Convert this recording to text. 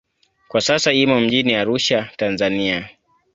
Kwa sasa imo mjini Arusha, Tanzania.